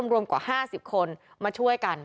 รวมกว่า๕๐คนมาช่วยกัน